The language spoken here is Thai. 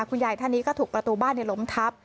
คุณยายท่านนี้ก็ถูกประตูบ้านล้มทับ